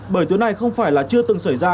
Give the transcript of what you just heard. bởi tuyến này không phải là chưa từng xảy ra